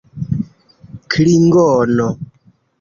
klingono